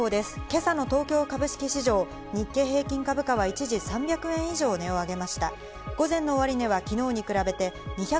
今朝の東京株式市場で日経平均株価は一時３００円以上、値を上げ